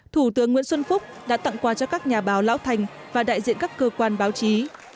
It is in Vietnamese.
thủ tướng nguyễn xuân phúc đã tặng quà cho các nhà báo lão thành và đại diện các cơ quan báo chí